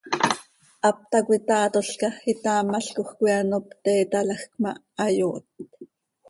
Hap tacoi taatolca, itaamalcoj coi ano pte itaalajc ma, hayooht.